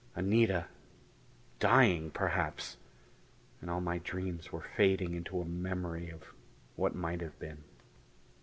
Anita dying, perhaps; and all my dreams were fading into a memory of what might have been.